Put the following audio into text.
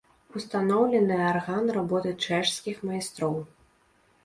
Устаноўлены арган работы чэшскіх майстроў.